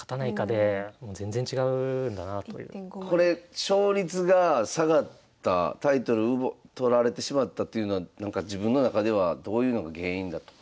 これ勝率が下がったタイトル取られてしまったというのは自分の中ではどういうのが原因だとかは？